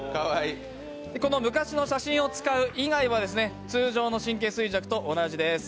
この昔の写真を使う以外は通常の神経衰弱と同じです。